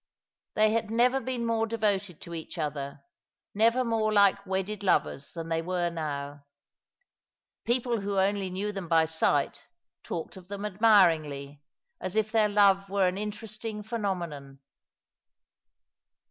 They had never been more devoted to each other, never more like wedded lovers than they were now. People who only knew them by sight talked of them admiringly, as if their love were an intereftting phenomenon.